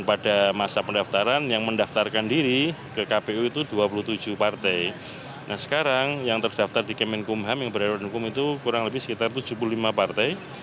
pada masa pendaftaran yang mendaftarkan diri ke kpu itu dua puluh tujuh partai nah sekarang yang terdaftar di kemenkumham yang berada di hukum itu kurang lebih sekitar tujuh puluh lima partai